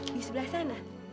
di sebelah sana